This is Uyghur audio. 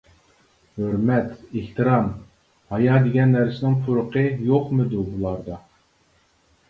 ھۆرمەت، ئېھتىرام، ھايا دېگەن نەرسىنىڭ پۇرىقى يوقمىدۇ بۇلاردا!